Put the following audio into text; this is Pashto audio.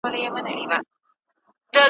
د لېوه بچی د پلار په څېر لېوه وي ,